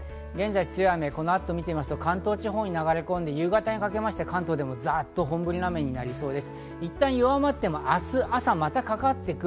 現在強い雨、見てみますと関東地方に流れ込んで、夕方にかけて関東でもザっと本降りの雨になりそうです。